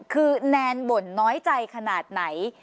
คือแนนบ่นน้อยใจขนาดไหน